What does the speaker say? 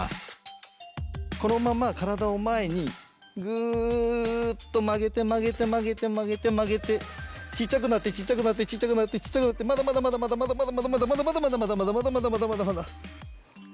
このまま体を前にグっと曲げて曲げて曲げて曲げて曲げてちっちゃくなってちっちゃくなってちっちゃくなってちっちゃくなってまだまだまだまだまだまだ。